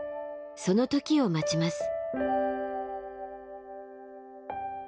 その時を待ちます。